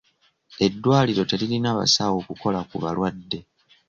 Eddwaliro teririna basawo kukola ku balwadde.